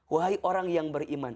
wahai orang yang beriman